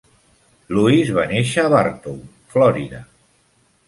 Lewis va néixer a Bartow, Florida.